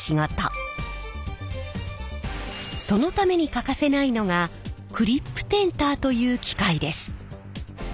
そのために欠かせないのがクリップテンターという機械です。